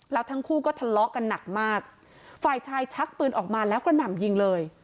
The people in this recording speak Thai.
แล้วทั้งคู่ก็ทะเลาะกันหนักมากฝ่ายชายชักปืนออกมาแล้วกระหน่ำยิงเลย